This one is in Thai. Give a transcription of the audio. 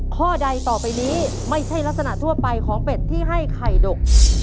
ข้อใดต่อไปนี้ไม่ใช่ลักษณะทั่วไปของเป็ดที่ให้ไข่ดก